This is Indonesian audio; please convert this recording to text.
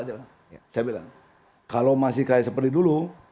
saya bilang kalau masih kayak seperti dulu